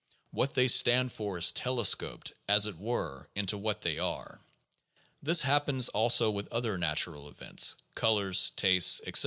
What they stand for is telescoped, as it were, into what they are. This happens also with other natural events, colors, tastes, etc.